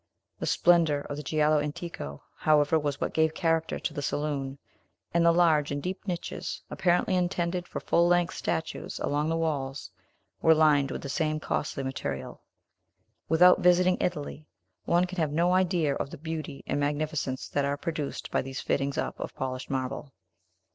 The splendor of the giallo antico, however, was what gave character to the saloon; and the large and deep niches, apparently intended for full length statues, along the walls, were lined with the same costly material. Without visiting Italy, one can have no idea of the beauty and magnificence that are produced by these fittings up of polished marble.